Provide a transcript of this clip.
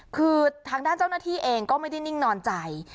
คือทางด้านเจ้าหน้าที่เองก็ไม่ได้นิ่งนอนใจ